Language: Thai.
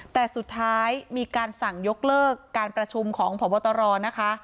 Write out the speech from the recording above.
แต่สุดท้ายมีการสั่งยกเลิกการประชุมของพบตรนะคะ